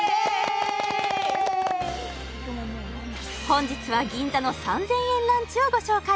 本日は銀座の３０００円ランチをご紹介